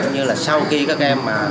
như là sau khi các em